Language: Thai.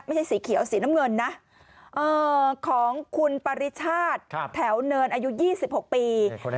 สีเขียวสีน้ำเงินนะของคุณปริชาติแถวเนินอายุ๒๖ปี